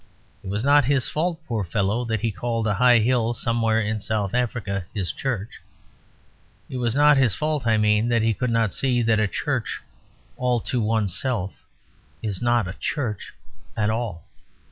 It was not his fault, poor fellow, that he called a high hill somewhere in South Africa "his church." It was not his fault, I mean, that he could not see that a church all to oneself is not a church at all.